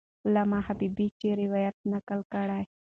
علامه حبیبي چا روایت نقل کړی؟